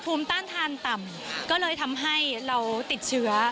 ภูมิต้านทานต่ำก็เลยทำให้เราติดเชื้อ